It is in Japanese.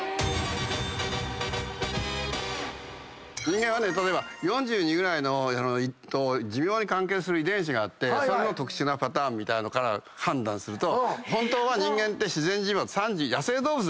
人間はね例えば４２ぐらいの寿命に関係する遺伝子があってそれの特殊なパターンみたいのから判断すると本当は人間って自然寿命って三十。